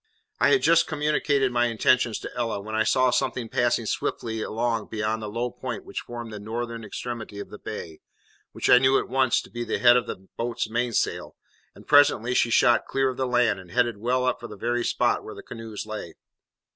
I had just communicated my intentions to Ella, when I saw something passing swiftly along beyond the low point which formed the northern extremity of the bay, which I knew at once to be the head of the boat's mainsail, and presently she shot clear of the land, and headed well up for the very spot where the canoes lay.